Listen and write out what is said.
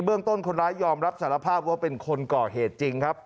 เรื่องต้นคนร้ายยอมรับสารภาพว่าเป็นคนก่อเหตุจริงครับ